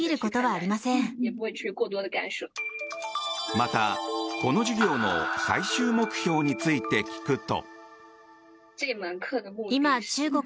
また、この授業の最終目標について聞くと。